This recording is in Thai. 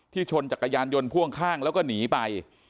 ชนจักรยานยนต์พ่วงข้างแล้วก็หนีไป